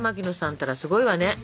ったらすごいわね。